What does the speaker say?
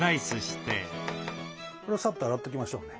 これはサッと洗っときましょうね。